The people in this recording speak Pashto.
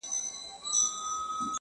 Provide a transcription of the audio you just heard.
زمانه اوړي له هر کاره سره لوبي کوي!!